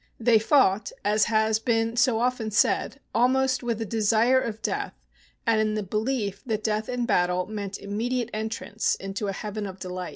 They fought, as has been so often said, almost with a desire of death, and in the belief that death in battle meant immediate entrance into a heaven of delights.